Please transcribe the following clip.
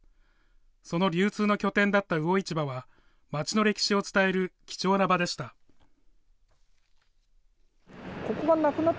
その流通の拠点だった魚市場は、町の歴史を伝える貴重な場でした。